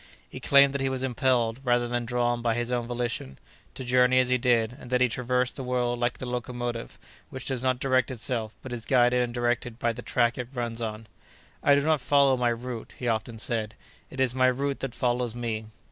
He claimed that he was impelled, rather than drawn by his own volition, to journey as he did, and that he traversed the world like the locomotive, which does not direct itself, but is guided and directed by the track it runs on. "I do not follow my route;" he often said, "it is my route that follows me."